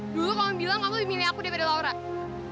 dulu kamu bilang kamu memilih aku daripada orang lain